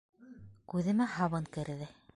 Күҙемә һабын керҙе...